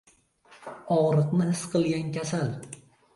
• Og‘riqni his qilgan ― kasal.